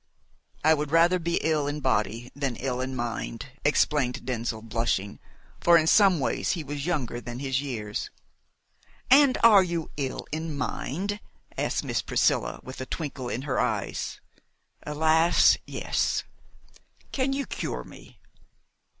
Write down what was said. "I would rather be ill in body than ill in mind," explained Denzil, blushing, for in some ways he was younger than his years. "And are you ill in mind?" asked Miss Priscilla, with a twinkle in her eyes. "Alas! yes. Can you cure me?"